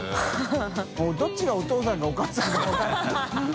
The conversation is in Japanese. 發どっちがお父さんかお母さんか分からない